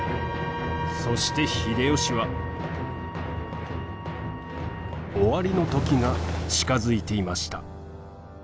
そして秀吉は終わりの時が近づいていました。